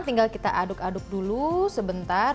tinggal kita aduk aduk dulu sebentar